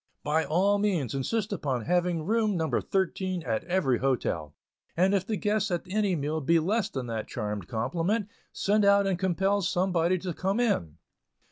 By all means insist upon having room No. 13 at every hotel; and if the guests at any meal be less than that charmed complement, send out and compel somebody to come in.